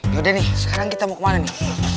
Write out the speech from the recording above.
yaudah nih sekarang kita mau kemana nih